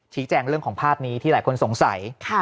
แจ้งเรื่องของภาพนี้ที่หลายคนสงสัย